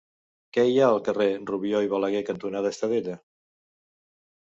Què hi ha al carrer Rubió i Balaguer cantonada Estadella?